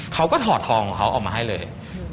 เขาก็ถอดทองของเขาออกมาให้เลย